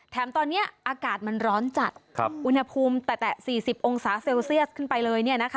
แถมตอนนี้อากาศมันร้อนจัดครับอุณหภูมิแต่ไม่สี่สิบองสาเซลเซียสขึ้นไปเลยเนี่ยนะคะ